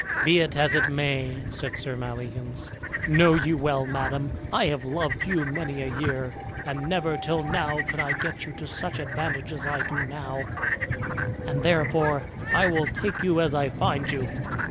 "Be it as it may," said Sir Maleagans, "know you well, madam, I have loved you many a year and never till now could I get you to such advantage as I do now; and therefore I will take you as I find you."